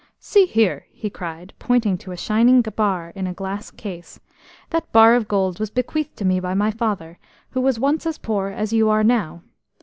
EE here," he cried, pointing to a shining bar in a glass case, "that bar of gold was bequeathed to me by my father, who was once as poor as you are now.